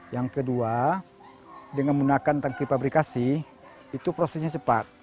yang kedua dengan menggunakan tangki pabrikasi itu prosesnya cepat